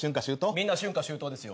みんな春夏秋冬ですよ。